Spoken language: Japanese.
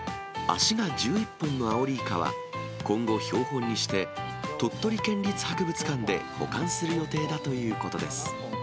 足が１１本のアオリイカは、今後、標本にして、鳥取県立博物館で保管する予定だということです。